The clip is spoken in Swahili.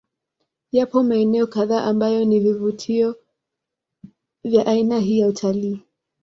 Yapo maeneo kadhaa ambayo ni vivutio vya aina hii ya Utalii